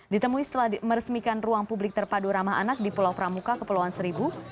ditemui setelah meresmikan ruang publik terpadu ramah anak di pulau pramuka kepulauan seribu